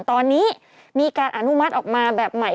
ตอนนี้มีการอนุมัติออกมาแบบใหม่